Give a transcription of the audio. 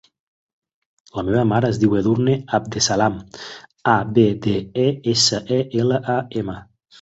La meva mare es diu Edurne Abdeselam: a, be, de, e, essa, e, ela, a, ema.